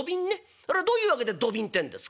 ありゃどういう訳で土瓶ってんですか？」。